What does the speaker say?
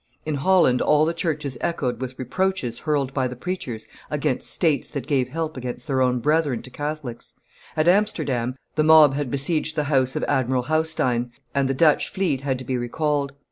In Holland all the churches echoed with reproaches hurled by the preachers against states that gave help against their own brethren to Catholics; at Amsterdam the mob had besieged the house of Admiral Haustein; and the Dutch fleet had to be recalled.